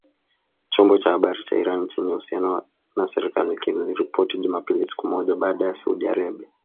chombo cha habari cha Iran chenye uhusiano na serikali kiliripoti Jumapili, siku moja baada ya Saudi Arabia